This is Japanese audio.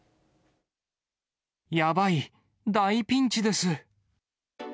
やばい、大ピンチです。